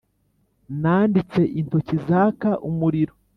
Nanditse intoki zaka umuriro